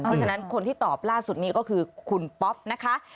เพราะฉะนั้นคนที่ตอบล่าสุดนี้ก็คือคุณป๊อปนะคะ